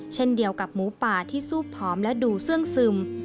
เช่นเดียวกับหมูป่าที่ซูบผอมและดูเสื้องซึม